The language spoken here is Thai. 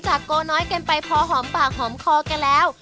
โกน้อยกันไปพอหอมปากหอมคอกันแล้ว